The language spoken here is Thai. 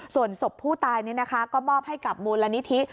ส่วนศพผู้ตายก็มอบให้กับมูลนิธิ